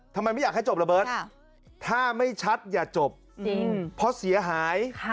ไม่อยากให้จบระเบิร์ตถ้าไม่ชัดอย่าจบเพราะเสียหาย